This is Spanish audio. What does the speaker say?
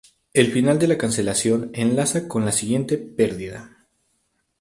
El final de la canción enlaza con la siguiente, "Perdida".